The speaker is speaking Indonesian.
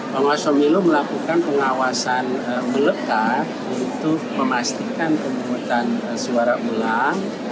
penguasa milo melakukan pengawasan ulekar untuk memastikan pengumutan suara ulang